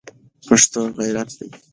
پښتو غیرت دی